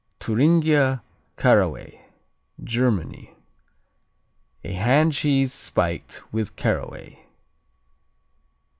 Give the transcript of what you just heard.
Thuringia Caraway Germany A hand cheese spiked with caraway.